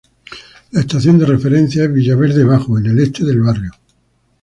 La estación de referencia es Villaverde Bajo, en el este del barrio.